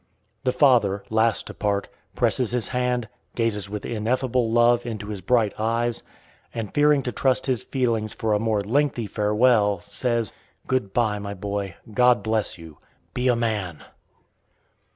The father, last to part, presses his hand, gazes with ineffable love into his bright eyes, and, fearing to trust his feelings for a more lengthy farewell, says, "Good by, my boy; God bless you; be a man!"